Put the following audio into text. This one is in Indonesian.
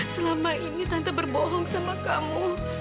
selama ini tante berbohong sama kamu